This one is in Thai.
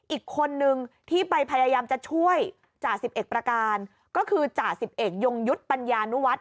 อีกคนนึงที่ไปพยายามจะช่วยจ่าสิบเอกประการก็คือจ่าสิบเอกยงยุทธ์ปัญญานุวัฒน